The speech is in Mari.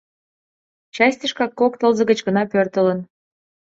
Частьышкак кок тылзе гыч гына пӧртылын.